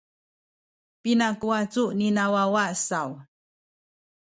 Pina ku wacu nina wawa saw?